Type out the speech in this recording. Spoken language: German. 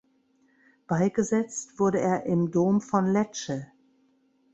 Beigesetzt wurde er im Dom von Lecce.